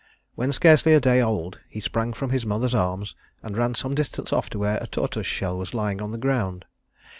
When scarcely a day old, he sprang from his mother's arms, and ran some distance off to where a tortoise shell was lying on the ground.